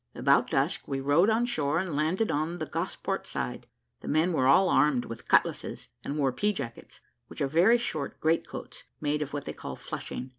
About dusk we rowed on shore, and landed on the Gosport side: the men were all armed with cutlasses, and wore pea jackets, which are very short great coats made of what they call flushing.